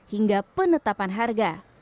hingga penetapan harga